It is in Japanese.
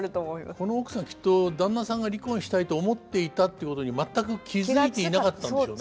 この奥さんきっと旦那さんが離婚したいと思っていたっていうことに全く気付いていなかったんでしょうね。